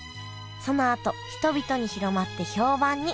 そのあと人々に広まって評判に。